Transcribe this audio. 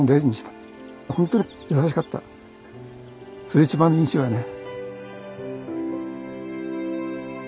それ一番印象やね。